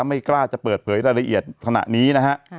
ไม่กล้าจะเปิดเผยรายละเอียดขณะนี้นะฮะ